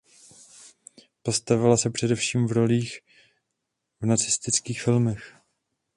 Proslavila se především v rolích v nacistických filmech.